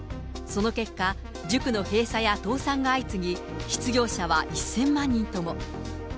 その結果、塾の閉鎖や倒産が相次ぎ、失業者は１０００万人とも。